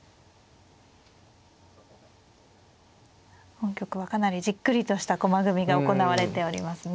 本局はかなりじっくりとした駒組みが行われておりますね。